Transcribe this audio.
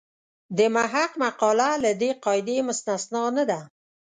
د محق مقاله له دې قاعدې مستثنا نه ده.